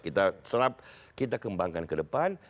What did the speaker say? kita serap kita kembangkan ke depan